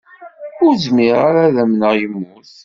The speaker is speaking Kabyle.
Ur zmireɣ ara ad amneɣ yemmut!